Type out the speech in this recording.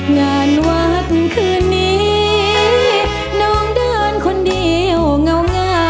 งานวัดคืนนี้น้องเดินคนเดียวเงา